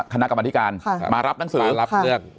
คณะกรรมธิการมารับหนังสือรับเลือก